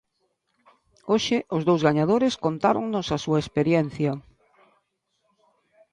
Hoxe, os dous gañadores contáronos a súa experiencia.